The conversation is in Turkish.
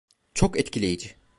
Çok etkileyici.